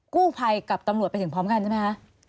กู้ภัยกับตำรวจไปถึงพร้อมกันใช่ไหมคะ